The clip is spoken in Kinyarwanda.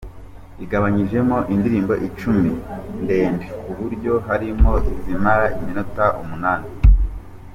Igabanyije mo indirimbo icumi ndende, ku buryo harimo izimara iminota umunani.